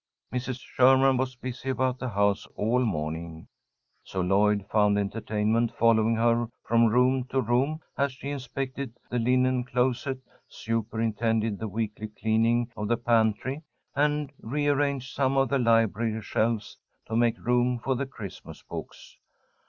Mrs. Sherman was busy about the house all morning, so Lloyd found entertainment following her from room to room, as she inspected the linen closet, superintended the weekly cleaning of the pantry, and rearranged some of the library shelves to make room for the Christmas books.